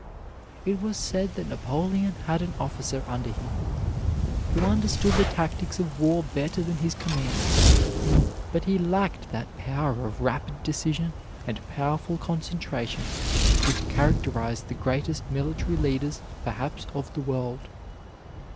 It was said that Napoleon had an officer under him who understood the tactics of war better than his commander, but he lacked that power of rapid decision and powerful concentration which characterized the greatest military leaders perhaps of the world.